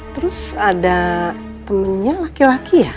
terus ada temennya laki laki ya